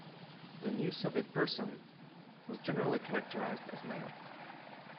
The New Soviet Person was generally characterized as male.